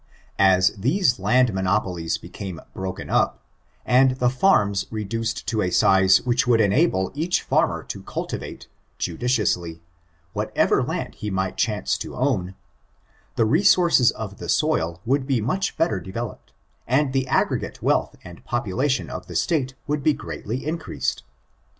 As these land monopoUes become broken up, and the farms reduced to a size which would enable each Ssurmer to cultivate, judiciously, whatever land he might chance to own, the resources of the soil would be much better developed, and the aggregate wealth and population of the State would be greatly increased.